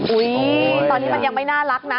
ตอนนี้มันยังไม่น่ารักนะ